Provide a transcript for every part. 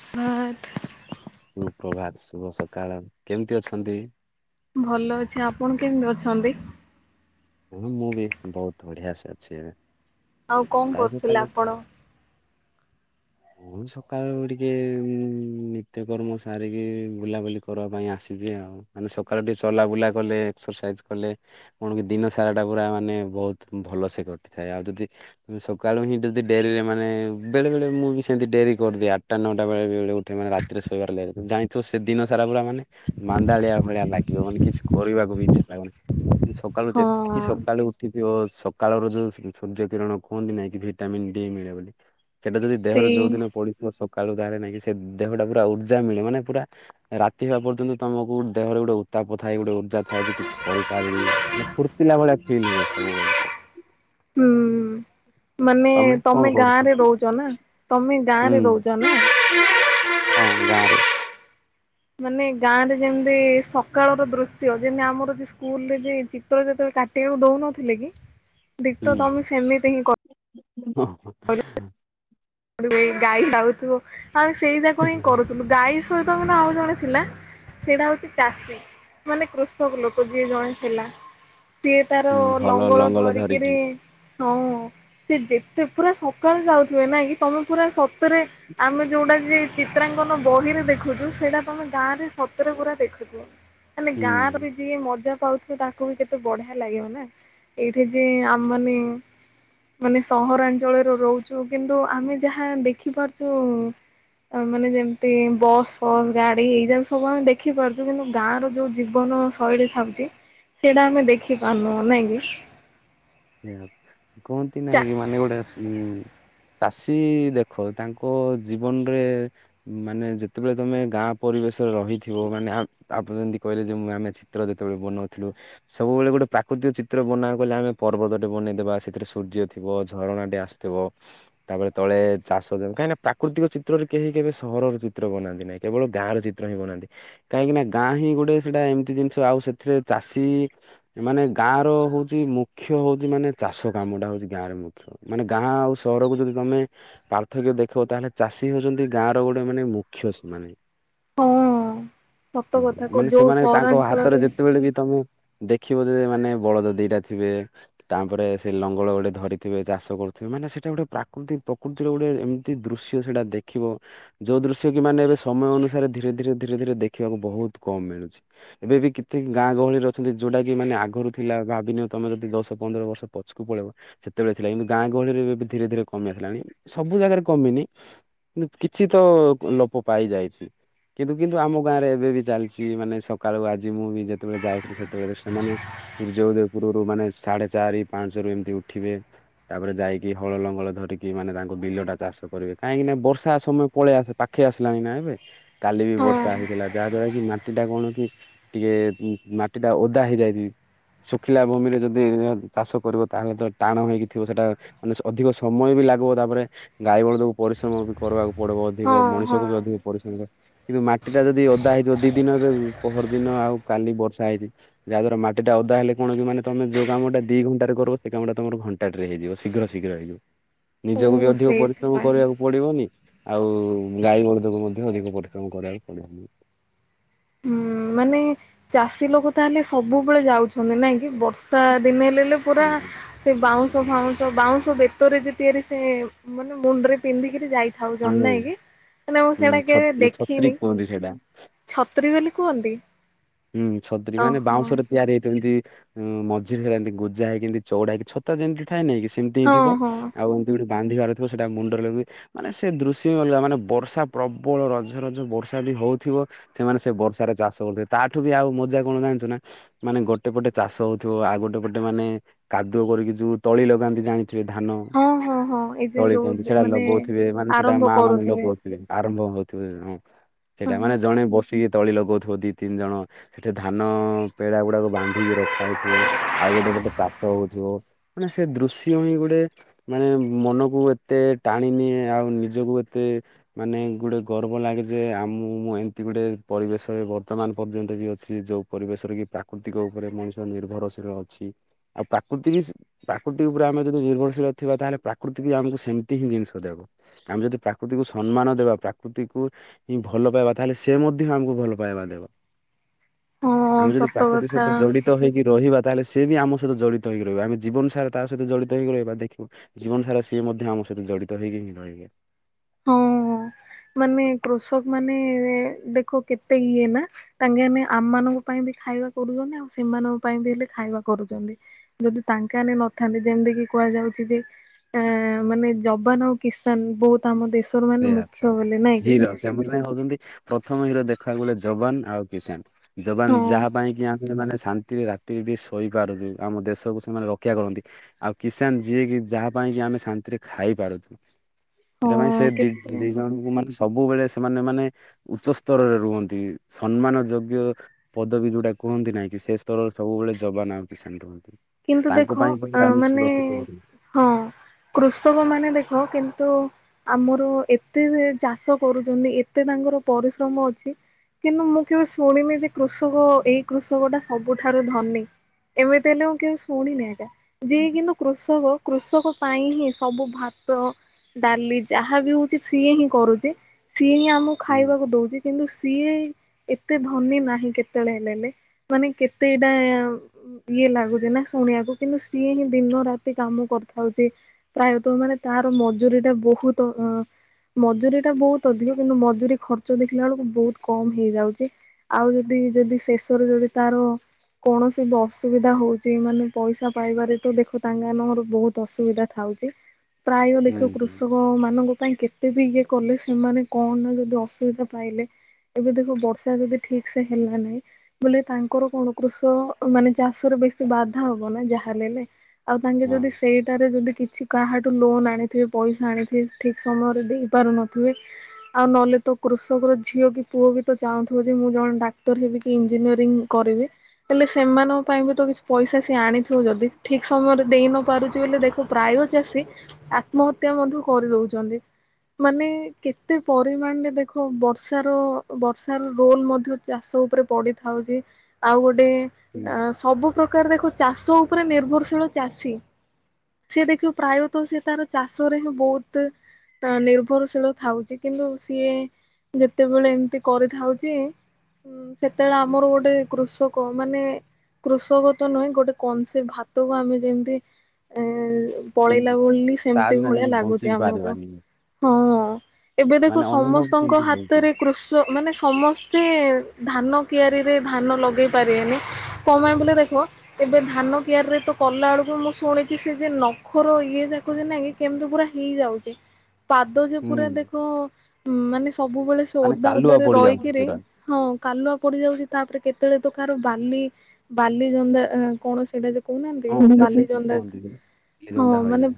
ହଁ ତ। ସୁପ୍ରଭାତ ଶୁଭ ସକାଳ। କେମିତି ଅଛନ୍ତି? ଭଲ ଅଛି। ଆପଣ କେମିତି ଅଛନ୍ତି? ଅ ହଁ ମୁଁ ବି ବହୁତ ବଢିଆ ସେ ଅଛି ଏ ଆଉ କଣ କରୁଥିଲେ ଆପଣ? ମୁଁ ସକାଳୁ ଟିକେ ଉଁ ନିତ୍ୟକର୍ମ ସାରିକି ବୁଲାବୁଲି କରବା ପାଇଁ ଆସିଛି ଆଉ। ମାନେ ସକାଳୁ ଟିକେ ଚଲାବୁଲା କଲେ ଏକ୍ସରସାଇଜ କଲେ। କଣ କି ଦିନ ସାରା ଟା ପୁରା ମାନେ ବହୁତ ଭଲ ସେ କଟିଥାଏ। ଆଉ ଯଦି ସକାଳୁ ହିଁ ଯଦି ଡେରିରେ ମାନେ ବେଳେବେଳେ ମୁଁ ବି ସେମିତି ଡେରି କରିଦିଏ। ଆଟା ନଅଟା ବେଳେବେଳେ ଉଠେ ମାନେ ରା ତିରେ ଶୋଇବାର ଲେଟ୍, ଜାଣିଥିବ ସେ ଦିନ ସାରା ପୁରା ମାନେ ମାନ୍ଦାଳିଆ ଭଳିଆ ଲାଗିବ। ମାନେ କିଛି କରିବାକୁ ବି ଇଚ୍ଛା ଲାଗେନି। ସକାଳୁ ହଁ ଯେତିକି ସକାଳୁ ଉଠିଥିବ ସକାଳର ଯୋଉ ସୂ ସୂର୍ଯ୍ୟ କିରଣ କୁହନ୍ତି ନାଇଁ କି ଭିଟାମିନ ଡି ମିଳେ ବୋଲି। ସେଟା ଯଦି ଦେହରୁ ସେଇ ଯୋଉଦିନ ପଡିଥିବ ସକାଳୁ ଗାଁରେ ନାଇକି ସେ ଦେହଟା ପୁରା ଉର୍ଜା ମିଳେ। ମାନେ ପୁରା ରାତି ହବା ପର୍ଯ୍ୟନ୍ତ ତୋମକୁ ଦେହରେ ଗୋଟେ ଉତ୍ତାପ ଥାଏ ଗୋଟେ ଉର୍ଜା ଥାଏ ଯେ କିଛି କରିପାରିଲି। ଏ ଫୁର୍ତ୍ତିଲା ଭଳିଆ ଫିଲ୍ ହୁଏ ସବୁବେଳେ। ହଁ। ମାନେ ତମେ କଣ ତୋମେ କରୁଛ? ଗାଁରେ ରହୁଚ ନା, ତୋମେ ହୁଁ ଗାଁରେ ରହୁଚ ନା? ହଁ ଗାଁ ରେ। ମାନେ ଗାଁ ରେ ଯେମିତି ସକାଳର ଦୃଶ୍ୟ ଯେମତି ଆମର ଯେ ସ୍କୁଲ୍ ରେ ଯେ ଚିତ୍ର ଯେତବେଳେ କା ସେୟାକୁ ଦଉନଥିଲେ କି ଡିଟୋ ତୋମେ ସେମିତି ହିଁ କ ହଁ, ହଁ। ସେଇ ଗାଈ ଯାଉଥିବ। ଆଉ ସେଇ ଯାକ ହିଁ କରୁଥୁଲୁ ଗାଈ ସହିତ ମାନେ ଆଉ ଜଣେ ଥିଲା। ସେଇଟା ହଉଛି ଚାଷୀ ମାନେ କୃଷକ ଲୋକ ଯିଏ ଜଣେ ଥିଲା। ସିଏ ତାର ହୁଁ ହଳ ଲଙ୍ଗଳ ଧରିକିରି ଧରିକି ହଁ ସିଏ ଯେତେ ପୁରା ସକାଳୁ ଯାଉଥିବେ ନାଇ କି? ତୋମେ ପୁରା ସତରେ ଆମେ ଯୋଉଟା ଯେ ଚିତ୍ରାଙ୍କନ ବହିରେ ଦେଖୁଚୁ। ସେଟା ତୋମେ ଗାଁ ରେ ସତରେ ପୁରା ଦେଖୁଚ। ଗ-ମାନେ ହୁଁ। ଗାଁ ର ବି ଯିଏ ମଜା ପାଉଥିବ ତାକୁ ବି କେତେ ବଢିଆ ଲାଗିବ ନା। ଏଇଠି ଯିଏ ଆମ ମାନେ ମାନେ ସହରାଞ୍ଚଳରେ ରହୁଛୁ। କିନ୍ତୁ ଆମେ ଯାହା ଦେଖିପାରୁଛୁ ଆମେ ମାନେ ଯେମିତି ବସ୍ ଫସ୍ ଗାଡି ଏଇଯା ସବୁ ଆମେ ଦେଖି ପାରୁଚୁ। କିନ୍ତୁ ଗାଁ ର ଯୋଉ ଜୀବନ ଶୈଳୀ ଥାଉଚି ସେଇଟା ଆମେ ଦେଖି ପାରୁନୁ ନାଇଁକି। ସେଇଆ କହନ୍ତି ନାଇଁ କି ମାନେ ଗୋଟେ ଆସ [unintelligible] ଚାଷୀ ଦେଖ ତାଙ୍କ ଜୀବନରେ ମାନେ ଯେତେବେଳେ ତୋମେ ଗାଁ ପରିବେଶରେ ରହିଥିବ ମାନେ ଆ ଆପଣ ଯେମିତି କହିଲେ ଯେ ମୁଁ ଆମେ ଚିତ୍ର ଯେତେବେଳେ ବନଉଥିଲୁ। ସବୁବେଳେ ଗୋଟେ ପ୍ରାକୃତିକ ଚିତ୍ର ବନାବାକୁ କହିଲେ ଆମେ ପର୍ବତ ଟେ ବନେଇଦେବା, ସେଥିରେ ସୂର୍ଯ୍ୟ ଥିବ, ଝରଣା ଟେ ଆସଥିବ। ତାପରେ ତଳେ ଚାଷ ଜମି। କାହିଁକି ନା ପ୍ରାକୃତିକ ଚିତ୍ରରେ କେହି କେବେ ସହରର ଚିତ୍ର ବନାନ୍ତି ନାଇଁ। କେବଳ ଗାଁର ଚିତ୍ର ହିଁ ବନାନ୍ତି। କାହିଁକି ନା ଗାଁ ହିଁ ଗୋଟେ ସେଟା ଏମିତି ଜିନିଷ ଆଉ ସେଥିରେ ଚାଷୀ ମାନେ ଗାଁ ର ହଉଚି ମୁ ଖ୍ୟ ହଉଚି ମାନେ ଚାଷ କାମଟା ହଉଚି ଗାଁର ମୁଖ୍ୟ। ମାନେ ଗାଁ ଆଉ ସହରକୁ ଯଦି ତୋମେ ପାର୍ଥକ୍ୟ ଦେଖିବ ତାହେଲେ ଚାଷୀ ହଉଚନ୍ତି ଗାଁ ର ଗୋଟେ ମାନେ ମୁଖ୍ୟ ସେମାନେ। ହଁ। ସତ କଥା [inaudible] ମାନେ ଯୋଉ ସେମାନେ ତାଙ୍କ ହାତରେ ସହରାଞ୍ଚଳରେ ଯେତେବେଳେ ବି ତୋମେ ଦେଖିବ ଯେ ମାନେ ବଳଦ ଦିଟା ଥିବେ। ତାପରେ ସେ ଲଙ୍ଗଳ ଗୋଟେ ଧରିଥିବେ, ଚାଷ କରୁଥିବେ, ମାନେ ସେଟା ଗୋଟେ ପ୍ରାକୃତିକ ପ୍ର କୃତିର ଗୋଟେ ଏମିତି ଦୃଶ୍ୟ ସେଟା ଦେଖିବ। ଯୋଉ ଦୃଶ୍ୟ କି ମାନେ ଏବେ ସମୟ ଅନୁସାରେ ଧୀରେ ଧୀରେ ଧୀରେ ଧୀରେ ଦେଖିବାକୁ ବହୁତ କମ ମିଳୁଛି। ଏବେ ବି କିଥି ଗାଁ ଗହଳିରେ ଅଛନ୍ତି ଯୋଉଟା କି ମାନେ ଆଗରୁ ଥିଲା ଭାବିନିଅ ତୋମେ ଯଦି ଦଶ ତ ପନ୍ଦର ବର୍ଷ ପଛକୁ ପଳେଇବ। ସେତେବେଳେ ଥିଲା। କିନ୍ତୁ ଗାଁ ଗହଳିରେ ଏବେ ଧୀରେ ଧୀରେ କମି ଆସିଲାଣି। ସବୁ ଜାଗାରେ କମିନି। ନା କିଛି ତ ଲୋପ ପାଇ ଯାଇଛି। କିନ୍ତୁ କିନ୍ତୁ ଆମ ଗାଁ ରେ ଏବେ ବି ଚାଲିଚି। ମାନେ ସକାଳୁ ଆଜି ମୁଁ ବି ଯେତେବେଳେ ଯାଉଥିଲି ସେତେବେଳେ ସେମାନେ ସୂର୍ଯ୍ୟ ଉଦୟ ପୂର୍ବରୁ ମାନେ ସାଢେ ଚାରି ପାଞ୍ଚ ରୁ ଏମିତି ଉଠିବେ। ତାପରେ ଯାଇକି ହଳ ଲଙ୍ଗଳ ଧରିକି ମାନେ ତାଙ୍କ ବିଲ ଟା ଚାଷ କରିବେ। କାହିଁକି ନା ବର୍ଷା ସମୟ ପଳେଇ ଆସେ ପା ଖେଇ ଆସିଲାଣି ନା ଏବେ, କାଲି ବି ହଁ ବର୍ଷା ହେଇଥିଲା ଯାହା ଦ୍ଵାରା କି ମାଟି ଟା କଣ କି ଟିକେ ଉଁ ଉଁ ମାଟିଟା ଓଦା ହେଇଯାଇଛି ଶୁଖିଲା ଭୂମିରେ ଯଦି ଏଇଆ ଚାଷ କରିବ ତାହେଲେ ତ ଟାଣ ହେଇକି ଥିବ ସେଟା ମାନେ ସେ ଅଧିକ ସମୟ ବି ଲାଗିବ ତାପରେ ଗାଈ ଗୋରୁ ଯୋଗୁ ପରିଶ୍ରମ ବି କରିବାକୁ ପଡିବ ହଁ ଅଧିକ ହଁ ମଣିଷକୁ ବି ଅଧିକ ପରିଶ୍ର ମ କିନ୍ତୁ ମାଟିଟା ଯଦି ଓଦା ହେଇଥିବ ଦି ଦିନ ଏବେ ପହର ଦିନ ଆଉ କାଲି ବର୍ଷା ହେଇଛି ଯାହା ଦ୍ଵାରା ମାଟିଟା ଓଦା ହେଲେ କଣ କି ମାନେ ତମେ ଯୋଉ କାମଟା ଦି ଘଣ୍ଟାରେ କରିବ ସେ କାମଟା ତମର ଘଣ୍ଟାଟାରେ ହେଇଯିବ ଶୀଘ୍ର ଶୀଘ୍ର ହେଇଯିବ। ଓ ନିଜକୁ ବି ଅଧିକ ପରିଶ୍ରମ ସେଇଥିପାଇଁ କରିବାକୁ ପଡିବନି ଆଉ ଗାଈ ବଳଦକୁ ମଧ୍ୟ ଅଧିକ ପରିଶ୍ରମ କରିବାକୁ ପଡିବନି। ହୁଁ ମାନେ ଚାଷୀ ଲୋକ ତାହେଲେ ସବୁବେଳେ ଯାଉଛନ୍ତି ନାଇଁ କି ବ ର୍ଷା ଦିନେ ହେଲାଯେ ପୁରା ସେ ବାଉଁଶ ଫାଉଁଶ ବାଉଁଶ ବେତରେ ଯେ ତିଆରି ସେ ସେ ମାନେ ମୁଣ୍ଡରେ ପିନ୍ଧିକିରି ଯାଇ ଥାଉ ହଁ ଜନ୍ମ ହେଇକି ନାଇଁ ମୁଁ ସେଗୁଡା ହୁଁ କେବେ ଛତ୍ରୀ ଦେଖିନି। କୁହନ୍ତି ସେଇଟା। ଛତ୍ରୀ ବେଲି କୁହନ୍ତି? ହୁଁ ଛତ୍ରୀ ମାନେ ଓହୋ ବାଉଁଶ ରେ ତିଆରି ହେଇଥିବ ଯେମିତି ହୁଁ ମଝିରେ ଏନ୍ତି ଗୋଜା ହେଇକି ଏନ୍ତି ଚଉଡା ହେଇକି ଛତା ଯେମିତି ଥାଏ ନାଁ କି ସେମିତି ହିଁ ହଁ ଥିବ ହଁ ଆଉ ଯୋଉଠୁ ବାନ୍ଧିବାର ଥିବ ସେଟା ମୁଣ୍ଡରେ ଲଗେଇବେ। ମାନେ ସେ ଦୃଶ୍ୟ ବି ଅଲଗା ମାନେ ବର୍ଷା ପ୍ରବଳ ରଜ ରଜ ବର୍ଷା ବି ହଉଥିବ ସେମାନେ ସେ ବର୍ଷାରେ ଚାଷ କରୁଥିବେ ତା ଠୁ ବି ଆଉ ମଜା କଣ ଜାଣିଛୁ ନା ମାନେ ଗୋଟେ ପଟେ ଚାଷ ହଉଥିବ ଆଉ ଗୋଟେ ପଟେ ମାନେ କାଦୁଅ କରିକି ଯୋଉ ତଳି ଲଗାନ୍ତି ଜାଣି ଥିବେ ଧାନ ହଁ ହଁ ହଁ ଏ ଯେ ତଳି ଯୋଉ କୁହନ୍ତି ସେଟା ମାନେ ଲଗଉଥିବେ ମାନେ ସେଟା ଆରମ୍ଭ ମା ମାନେ କରୁଥିବେ ଲଗଉ ଥିବେ ଆରମ୍ଭ ହଉଥିବ ହଁ ସେଇଟା ମାନେ ଜଣେ ବସିକି ତଳି ଲଗଉଥିବ ଦି ତିନି ଜଣ ସେଠିକା ଧାନ ପେଡା ଗୁଡାକ ବାନ୍ଧିକି ରଖା ହେଇଥିବ ଆଉ ଗୋଟେ ପଟେ ଚାଷ ହଉଥିବ। ମାନେ ସେ ଦୃଶ୍ୟ ହିଁ ଗୋଟେ ମାନେ ମନକୁ ଏତେ ଟାଣିନିିଏ ଆଉ ନିଜକୁ ଏତେ ମାନେ ଗୋଟେ ଗର୍ବ ଲାଗେ ଯେ ଆମୁଁ ମୁଁ ଏମିତି ଗୋଟେ ପରିବେଶରେ ବ ବର୍ତ୍ତମାନ ପର୍ଯ୍ୟନ୍ତ ବି ଅଛି ଯୋଉ ପରିବେଶରେ କି ପ୍ରାକୃତିକ ଉପରେ ମଣିଷ ନିର୍ଭରଶୀଳ ଅଛି। ଆଉ ପ୍ରାକୃତି ବି ସେ ପ୍ରାକୃତି ଉପରେ ଆମେ ଯଦି ନିର୍ଭରଶୀଳ ଥିବା ତାହେଲେ ପ୍ରାକୃତି ବି ଆମକୁ ସେମିତି ହିଁ ଜିନିଷ ଦେବ। ଆମେ ଯଦି ପ୍ରାକୃତିକୁ ସମ୍ମାନ ଦେବା ପ୍ରାକୃତିକୁ ଉଁ ଭଲ ପାଇବା ତାହେଲେ ସେ ମଧ୍ୟ ଆମକୁ ଭଲ ପାଇବା ଦେବ। ହଁ ଆମେ ଯଦି ସତ ପ୍ରାକୃତି ସହିତ କଥା। ଜଡି ତ ହେଇକି ରହିବା ତାହେଲେ ସେ ବି ଆମ ସହିତ ଜଡ଼ିତ ହେଇକି ରହିବ ଆମେ ଜୀବନ ସାରା ତା ସହିତ ଜଡ଼ିତ ହେଇିକି ରହିବା ଦେଖିବୁ ଜୀବନ ସାରା ସିଏ ମଧ୍ୟ ଆମ ସହିତ ଜଡ଼ିତ ହେଇକି ହିଁ ରହିବ। ହଁ ମାନେ କୃଷକ ମାନେ ଦେଖ କେତେ ଇଏ ନାଁ ତାଙ୍କେ ଆମେ ଆମାନଙ୍କ ପାଇଁ ବି ଖାଇବା କରୁଛନ୍ତି ଆଉ ସେମାନଙ୍କ ପାଇଁ ବି ହେଲେ ଖାଇବା କରୁଛନ୍ତି। ଯେଦି ତାଙ୍କେ ଆମେ ନଥାନ୍ତି ଯେମିତି କିି କୁହାଯାଉଛି ଯେ ଏଁ ମାନେ ଯବାନ୍ ଆଉ କିଶାନ୍ ବହୁତ ଆମ ଦେଶର ମାନେ ସେଇଆ ତ। ମୁଖ୍ୟ ହେଲେ ନାଇଁ କି? ହିରୋ ସେମାନେ ହଉଛନ୍ତି ପ୍ରଥମ ହିରୋ ଦେଖିବାକୁ ଗଲେ ଯବାନ୍ ଆଉ କିଶାନ୍ ଯବାନ୍ ହଁ ଯାହା ପାଇଁ କି ଆମେ ମାନେ ଶା ନ୍ତିରେ ରାତିରେ ବି ଶୋଇପାରୁଛୁ ଆମ ଦେଶକୁ ସେମାନେ ରକ୍ଷା କରନ୍ତି। ଆଉ କିଶାନ୍ ଯିଏ କି ଯାହା ପାଇଁ କି ଆମେ ଶାନ୍ତିରେ ଖାଇପାରୁଛୁ ସେଇଟା ପାଇଁ ସେ ହଁ ବି କେତେ ଦିନ ରାତି ମଣିଷ ସବୁବେଳେ ସେମାନେ ମାନେ ଉଚ୍ଚ ସ୍ତରରେ ରୁହନ୍ତି ସମ୍ମାନ ଯୋଗ୍ୟ ପଦବୀ ଯୋଉଟା କୁହନ୍ତି ନାଇଁ କି ସେ ସ୍ତରରେ ସବୁବେଳେ ଯବାନ୍ ଆଉ କିଶାନ୍ ରୁହନ୍ତି। କିନ୍ତୁ ତାଙ୍କ ଦେଖ ପାଇଁ ବୋଲି ଆଁ ଆମେ ମାନେ ସୁରକ୍ଷିତ ବି ରହୁ। ହଁ। କୃଷକ ମାନେ ଦେଖ କିନ୍ତୁ ଆମର ଏତେ ସେ ଚାଷ କରୁଛନ୍ତି ଏତେ ତାଙ୍କର ପରିଶ୍ରମ ଅଛି କିନ୍ତୁ ମୁଁ କେବେ ଶୁଣିନି ଯେ କୃଷକ ଏଇ କୃଷକଟା ସବୁଠାରୁ ଧନୀ। ଏମିତି ହେଲେ ମୁଁ କେବେ ଶୁଣିନି ଏଇଟା ଯିଏ କିନ୍ତୁ କୃଷକ କୃଷକ ପାଇଁ ହିଁ ସବୁ ଭାତ ଡାଲି ଯାହା ବି ହଉଛି ସିଏ ହିଁ କରୁଛି ସିଏ ହିଁ ଆମକୁ ହୁଁ ଖାଇବାକୁ ଦଉଛି। କିନ୍ତୁ ସିଏ ଏତେ ଧନୀ ନାହିଁ କେତେବେଳେ ହେଲେଲେ ମାନେ କେତେଟା ଇଏ ଲାଗୁଛି ନା ଶୁଣିବାକୁ କିନ୍ତୁ ସିଏ ହିଁ ଦିନ ରାତି କାମ କରିଥାଉଛି। ପ୍ରାୟତଃ ମାନେ ତାର ମଜୁରୀ ଟା ବହୁତ ଅ ମଜୁରୀ ଟା ବହୁତ ଅଧିକ କିନ୍ତୁ ମଜୁରୀ ଖର୍ଚ୍ଚ ଦେଖିଲା ବେଳକୁ ବହୁତ କମ୍ ହେଇଯାଉଛି। ଆଉ ଯଦି ଯଦି ଶେଷରେ ଯଦି ତାର କୌଣସି ବି ଅସୁବିଧା ହଉଛି। ଯେ ମାନେ ପଇସା ପାଇବାରେ ତ ଦେଖ ତାଙ୍କେ ଆମ ଘର ବହୁତ ଅସୁବିଧା ଥାଉଛି। ପ୍ରାୟ ହୁଁ ଦେଖ ହୁଁ କୃଷ ଙ୍କ ମାନଙ୍କ ପାଇଁ କେତେ ବି ଇଏ କଲେ ସେମାନେ କଣ ନା ଯଦି ଅସୁବିଧା ପାଇଲେ। ଏବେ ଦେଖୁ ବର୍ଷା ଯବେ ଠିକ୍ ସେ ହେଲ ନାହିଁ। ବୋଇଲେ ତାଙ୍କର କଣ କୃଷ ମାନେ ଚାଷରେ ବେଶୀ ବାଧା ହବ ନା ଯାହାଲେଲେ ଆଉ ତାଙ୍କେ ହଁ। ଯଦି ସେଇ ଟାରେ ଯଦି କିଛି କାହାଠୁ ଲୋନ ଆଣିଥିବେ ପଇସା ଆଣିଥିବେ ଠିକ୍ ସମୟରେ ଦେଇପାରୁନଥିବେ। ଆଉ ନହେଲେ ତ କୃଷକର ଝିଅ କି ପୁଅ ବି ତ ଚାହୁଁଥିବ ଯେ ମୁଁ ଜଣେ ଡାକ୍ତର ହେବି କି ଇଞ୍ଜିନିୟରିଂ କରିବେ ହେଲେ ସେମାନଙ୍କ ପାଇଁ ବି ତ କିଛି ପଇସା ସିଏ ଆଣିଥିବ ଯଦି ଠିକ୍ ସମୟରେ ଦେଇ ନ ପାରୁଛି ବି ଦେଖ ପ୍ରାୟ ଚାଷୀ ଆତ୍ମହତ୍ୟା ମଧ୍ୟ କରିଦଉଛନ୍ତି। ମାନେ କେତେ ପରିମାଣରେ ଦେଖ ବର୍ଷାର ବର୍ଷାର ରୋଲ ମଧ୍ୟ ଚାଷ ଉପରେ ପଡ଼ିଥାଉଛି ଆଉ ଗୋଟେ ହୁଁ ଅ ସବୁ ପ୍ରକାର ଦେଖ ଚାଷ ଉପରେ ନିର୍ଭରଶୀଳ ଚାଷୀ ସେ ଦେଖିବ ପ୍ରାୟତଃ ସେ ତାର ଚାଷ ରେ ହିଁ ବହୁତ୍ ନିର୍ଭରଶୀଳ ଥାଉଛି କିନ୍ତୁ ସିଏ ଯେତେବେଳେ ଏମିତି କରିଥାଉଛି। ହୁଁ ସେତେବେଳେ ଆମର ଗୋଟେ କୃଷକ ମାନେ କୃଷକ ନୁହେଁ ଗୋଟେ କନସେପଟ ଭାତ କ ଆମେ ଯେମତି ଏ ପଳେଇଲା ହୁଁ। ବୋଲି ତା ସେମତି ବିନା ଭଳିଆ ଯେମିତି ବଞ୍ଚି ଲାଗୁଛି ଆମକୁ। ପାରିବାନି। ହଁ। ଏବେ ଦେଖ ମାନେ ଅନୁଭବ ସମସ୍ତଙ୍କ ସେମିତି ହଉଛି ହାତରେ କୃଷ ମାନେ ସମସ୍ତ ସେ ଧାନ କିଆରିରେ ଧାନ ଲଗେଇ ପାରିବେନି କଣ ପାଇଁ ଦେଖିବ ତେବେ ଧାନ କିଆରିରେ ତ କଲାବେଳକୁ ମୁଁ ଶୁଣିଛି ସେ ଯେ ନଖର ଇଏ ଯାକ ଯେ ନାଇକି କେମିତି ପୁରା ହେଇଯାଉଛି ପାଦ ଯେଉ ପୁରା ହୁଁ ଦେଖ ମାନେ ସବୁବେଳେ ମାନେ ଓଦା କାଲୁଆ ଓଦାରେ ପଡିଯାଉଛି ରହିକିରି ପୁରା। ହଁ କାଲୁଆ ପଡି ଯାଉଛି ତାପରେ କେତେବେଳେ ତ କାହାର ବାଲି ବାଲି ଜନ୍ଦା ଆ କଣ ସେଇଟା ଯେ କହୁନାହାନ୍ତି ହଁ ସେ ସେମିତି ବାଲିଚନ୍ଦକ କୁହନ୍ତି। ହଁ ଧୀରନ୍ଧା ହଇଜା ମାନେ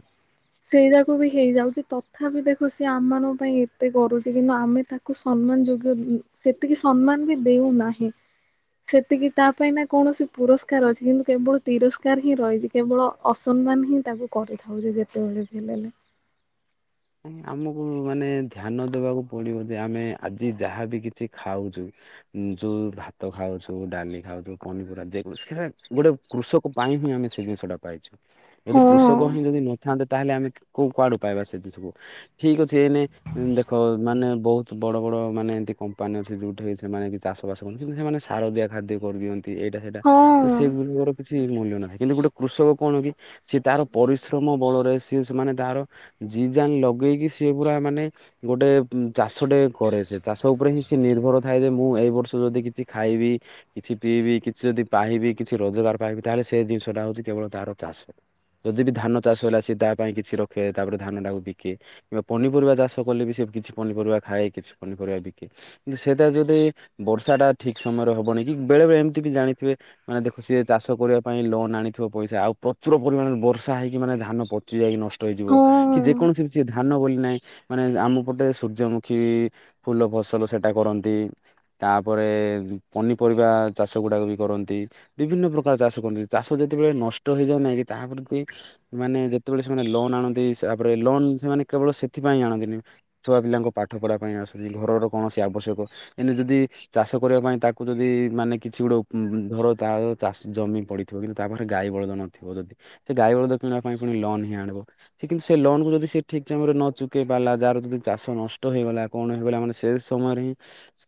ସେଇରାକୁ ବି ହେଇଯାଉଛି ତଥାପି ଦେଖ ସିଏ ଆମମାନଙ୍କ ପାଇଁ ଏତେ କରୁଛି କିନ୍ତୁ ଆମେ ତାକୁ କୁ ସମ୍ମାନ ଯୋଗ୍ୟ ସେତିକି ସମ୍ମାନ ବି ଦୋଉନାହିଁ। ସେତିକି ତା ପାଇଁ ନା କୌଣସି ପୁରସ୍କାର କାର ଅଛି କିନ୍ତୁ କେବଳ ତିରସ୍କାର ହିଁ ରହିଛି କେବଳ ଅସମ୍ମାନ ହିଁ ତାକୁ କରିଥାଉ ଯେତେବେଳେ ବି ହେଲେ। ଆମକୁ ମାନେ ଧ୍ୟାନ ଦବାକୁ ପଡିବ ଯେ ଆମେ ଆଜି ଯାହାବ କିଛି ଖାଉଛୁ- ଯୋଉ ଭାତ ଖାଉଛୁ ଡାଲି ଖାଉଛୁ ପନିପରିବା ସେ ଗୋଟେ କୃଷକ ପାଇଁ ହିଁ ଆମେ ସେ ଜିନିଷଟା ପାଇଛୁ। ହଁ ଯଦି କୃଷକ ହିଁ ଯଦି ନଥାନ୍ତେ ତାହେଲେ ଆମେ କୋଉ କୁଆଡ଼ୁ ପାଇବା ସେବି ସବୁ ଠିକ୍ ଅଛି ଏନେ- ଦେଖ ମାନେ ବହୁତ ବଡ ବଡ ମାନେ ଏମିତି କମ୍ପାନୀ ଅଛି ଯୋଉଠି ସେମାନେ କି ଚାଷ ବାସକରନ୍ତି କିନ୍ତୁ ସେମାନେ ସାର ଦିଆ ଖାଦ୍ୟ କରିଦିଅନ୍ତି ଏଇଟା ସେଇଟା ହଁ ସେଗୁଡ଼ିକର କିଛି କିଛି ମୂଲ୍ଯ ନାହିଁ କିନ୍ତୁ ଗୋଟେ କୃଷକ କଣ କି ସିଏ ତାର ପରିଶ୍ରମ ବଳରେ ସିଏ ସେମାନେ ତାର ଜୀଜାନ ଲଗେଇକି ସିଏ ପୁରା ମାନେ - ଗୋଟେ ଚାଷ ଟେ କରେ ସେ ଚାଷ ଉପରେ ହିଁ ସେ ନିର୍ଭର ଥାଏ ଯେ ମୁଁ ଏଇ ବର୍ଷ ଯଦି କିଛି ଖାଇବି କିଛି ପିଇବି କିଛି ଯଦି ପାଇବି କିଛି ରୋଜଗାର ପାଇବି ତାହେଲେ ସେ ଜିନିଷ ଟା ହଉଛି କେବଳ ତାର ଚାଷ। ଯଦି ବି ଧାନ ଚାଷ ହେଲା ସେ ତା ପାଇଁ କିଛି ରଖେ ତାପରେ ଧାନଟା କୁ ବିକେ କିମ୍ବା ପନିପରିବା ଚାଷ କଲେ ବି ସେ କିଛି ପନିପରିବା ଖାଏ କିଛି ପନିପରିବା ବିକେ। କିନ୍ତୁ ସେଇଟା ଯଦି ବର୍ଷା ଟା ଠିକ ସମୟରେ ହବନି କି ବେଳେ ବେଳେ ଏମିତି ବି ଜାଣିଥିବେ ମାନେ ଦେଖ ସିଏ ଚାଷ କରିବା ପାଇଁ ଲୋନ ଆଣିଥିବ ପଇସା। ଆଉ ପ୍ରଚୁର ପରିମାଣରେ ବର୍ଷା ହେଇକି ମାନେ ଧାନ ପଚି ଯାଇକି ନଷ ଷ୍ଟ ହେଇଯିବ ହଁ କି ଯେକୌଣସି କିଛି ଧାନ ବୋଲି ନାହିଁ, ମାନେ ଆମ ପଟେ ସୂର୍ଯ୍ୟମୁଖୀ-ଇ-ଇ ଫୁଲ ଫସଲ ସେଟା କରନ୍ତି। ତାପରେ ପନିପରିବା ଚାଷ ଗୁଡାକ ବି କରନ୍ତି। ବିଭିନ୍ନ ପ୍ରକାର ଚାଷ କରନ୍ତି। ଚାଷ ଯେତେବେଳେ ନଷ୍ଟ ହେଇଯାଏନା କି ତାହା ପ୍ରତି ମାନେ ଯେତେବେଳେ ସେମାନେ ଲୋନ୍ ଆଣନ୍ତି ସା ରେ ଲୋନ ସେମାନେ କେବଳ ସେଥିପାଇଁ ଆଣନ୍ତିନି। ଛୁଆ ପିଲାଙ୍କୁ ପାଠ ପଢା ପାଇଁ ଆସୁଛି। ଘରର କୌଣସି ଆବଶ୍ୟକ ଏଇନା ଯଦି ଚାଷ କରିବା ପାଇଁ ତାକୁ ଯଦି ମାନେ କିଛି ଗୋଟେ ଉ-ଉ-ଉ-ମ୍ ଧର ତା ଚାଷ ଜମି ପଡି ଥିବ କିନ୍ତୁ ତାପରେ ଗାଈ ବଳଦ ନଥିବ ଯଦି ସେ ଗାଈ ବଳଦ କିଣିବା ପାଇଁ ପୁଣି ଲୋନ ହିଁ ଆଣିବ ସେ କି ସେ ଲୋନକୁ ଯଦି ଠିକ୍ ଟାଇମ ରେ ନ ଚୁକେଇ ପାରିଲା ଯାହାର ଯଦି ଚାଷ ନଷ୍ଟ ହେଇଗଲା କଣ ହେଇଗଲା ମାନେ ସେ ସମୟରେ ହିଁ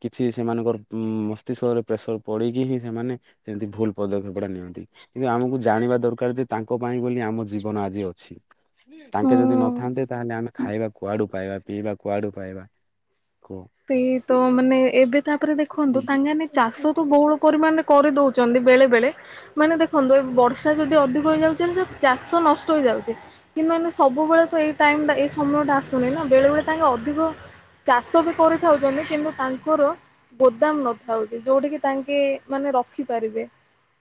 କିଛି ସେମାନଙ୍କର ମ୍-ମ୍-ମ୍ ମସ୍ତିଷ୍କରେ ପ୍ରେସର ପଡିକି ହିଁ ସେମାନେ ଏମିତି ଭୁଲ ପଦକ୍ଷେପଟା ନିଅନ୍ତି। କିନ୍ତୁ ଆମକୁ ଜାଣିବା ଦରକାର ଯେ ତାଙ୍କ ପାଇଁ ବୋଲି ଆମ ଜୀବନ ଆଜି ଅଛି। ହ [unintelligible] ତାଙ୍କେ ଯଦି ନଥାନ୍ତେ ତାହେଲେ ଆମେ ଖାଇବା କୁଆଡୁ ପାଇବା, ପିଇବା କୁଆଡୁ ପାଇବା କୁହ। ସେ ତ ମାନେ ଏବେ ତାପରେ ଦେଖନ୍ତୁ ତାଙ୍କାନ ଚାଷ କୁ ବହୁଳ ପରିମାଣରେ କରିଦଉଛନ୍ତି ବେଳେ ବେଳେ। ମାନେ ଦେଖନ୍ତୁ ଏ ବର୍ଷା ଯଦି ଅଧିକ ହେଇଯାଉଛି ଯେ ଚାଷ ନଷ୍ଟ ହେଇଯାଉଛି। କିନ୍ତୁ ମାନେ ସବୁବେଳେ ତ ଏଇ ଟାଇମ ଟା ଏଇ ସମୟ ଟା ଆସୁନି ନା ବେଳେବେଳେ ତାଙ୍କେ ଅଧିକ ଚାଷ ବି କରିଥାଉଛନ୍ତି କିନ୍ତୁ ତାଙ୍କର ଗୋଦାମ ନଥାଉଛି ଯୋଉଟା କିି ତାଙ୍କେ ମାନେ ରଖିପାରିବେ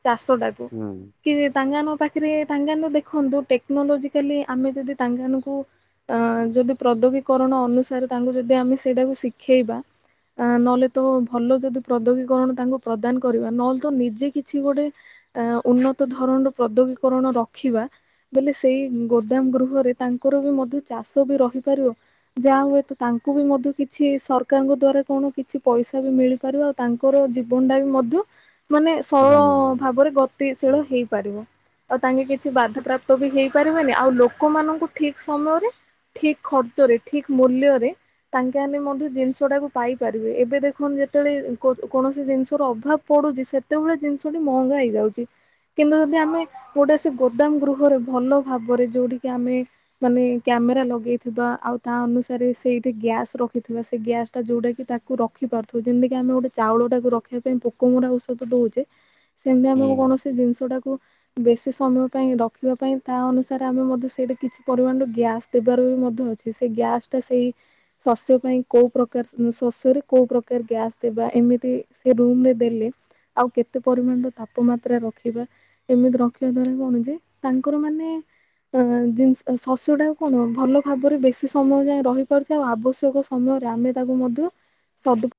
ଚାଷ ଟାକୁ। ହୁଁ ତ [unintelligible] କି ତାଙ୍ଗାନ ପାଖରେ ତାଙ୍ଗାନ ଦେଖନ୍ତୁ ଟେକ୍ନୋଲୋଜିକାଲି ଆମେ ଯଦି ତାଙ୍ଗାନକୁ ଅ ଯଦି ପ୍ରଦ୍ୟୋଗୀକରଣ ଅନୁସାରେ ତାଙ୍କୁ ଯଦି ଆମେ ସେଇଟାକୁ ଶିଖେଇବା ଆ ନହେଲେ ତ ଭଲ ଯଦି ପ୍ରଦ୍ୟୋଗୀକରଣ ତାଙ୍କୁ ପ୍ରଦାନ କରିବା। ନହେଲେ ତ ନିଜେ କିଛି ଗୋଟେ ଆ ଉନ୍ନତ ଧରଣର ପ୍ରଦ୍ୟୋଗୀକରଣ ରଖିବା। ବୋଲେ ସେଇ ଗୋଦାମ ଗୃହରେ ତାଙ୍କର ବି ମଧ୍ୟ ଚାଷ ବି ରହିପାରିବ। ଯାହା ହୁଏ ତ ତାଙ୍କୁ ବି ମଧ୍ୟ କିଛି ସରକାରଙ୍କ ଦ୍ଵାରା କଣ କିଛି ପଇସା ବି ମିଳିପାରିବ। ଆଉ ତାଙ୍କର ଜୀବନଟା ବି ମଧ୍ୟ ମାନେ ସରଳ-ଅ-ଅ-ଅ ଧନ୍ୟବାଦ ଭାବରେ ଗତିଶୀଳ ହେଇପାରିବ। ଆଉ ତାଙ୍କେ କିଛି ବାଧାପ୍ରାପ୍ତ ବି ହେଇପାରିବନି। ଆଉ ଲୋକମାନଙ୍କୁ ଠିକ ସମୟରେ ଠିକ ଖର୍ଚ୍ଚ ରେ ଠିକ ମୂଲ୍ୟରେ ତାଙ୍କେ ଆନେ ମଧ୍ୟ ଜିନିଷଟାକୁ ପାଇପାରିବେ ଏବେ ଦେଖନ୍ତୁ ଯେତେବେଳେ କୋ କୌଣସି ଜିନିଷର ଅଭାବ ପଡୁଛି ସେ ତେବେଳେ ଜିନିଷଟି ମହଙ୍ଗା ହେଇଯାଉଛି। କିନ୍ତୁ ଯଦି ଆମେ ଗୋଟେ ସେ ଗୋଦାମ ଗୃହରେ ଭଲ ଭାବରେ ଯୋଉଠି କିି ଆମେ ମାନେ କ୍ୟାମେରା ଲଗେଇଥିବା ଆଉ ତା ଅନୁସାରେ ସେଇଠି ଗ୍ୟାସ୍ ରଖିଥି କିବା ସେ ଗ୍ୟାସ୍ ଟା ଯଉଟା କି ତାକୁ ରଖିପାରୁଥିବ। ଯେମିତିି ଆମେ ଗୋଟେ ଚାଉଳଟାକୁ ରଖିବା ପାଇଁ ପୋକ ମୁରା ଔଷଧ ଦଉଛେ। ସେମିତି ଆମକୁ ହୁଁ। କୌଣସି ଜିନିଷ ଟାକୁ ବେଶୀ ସମୟ ପାଇଁ ରଖିବା ପାଇଁ ତା ଅନୁସାରେ ଆମେ ମଧ୍ୟ ସେଇଟା କିଛି ପରିମାଣର ଗ୍ୟାସ୍ ଦେବାର ବି ମଧ୍ୟ ଅଛି ସେ ଗ୍ୟାସ ଟା ସେଇ ଶସ୍ୟ ପାଇଁ କୋଉ ପ୍ରକାର ଶସ୍ୟରେ କୋଉ ପ୍ରକାର ଗ୍ୟାସ ଦେବା ଏମିତି ସେ ରୁମରେ ଦେଲେ ଆଉ କେତେ ପରିମାଣର ତାପମାତ୍ରା ରଖିବା। ଏମିତି ରଖିବା ଦ୍ଵାରା କଣ ଯେ ତାଙ୍କର ମାନେ ଅ ଜିନିଷ ଶସ୍ୟ ଟା କଣ ଭଲ ଭାବରେ ବେଶି ସମୟ ଯାଏ ରହିପାରୁଛି ଆଉ ଆବଶ୍ୟକ ସମୟରେ ଆମେ ତାକୁ ମଧ୍ୟ ସବୁ